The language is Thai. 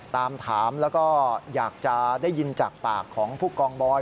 ถามแล้วก็อยากจะได้ยินจากปากของผู้กองบอย